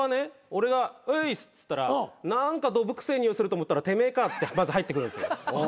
俺が「うぃっす」っつったら「何かドブ臭えにおいすると思ったらてめえか」ってまず入ってくるんですよ。